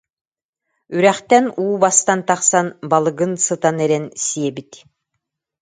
Үрэхтэн уу бастан тахсан, балыгын сытан эрэн сиэбит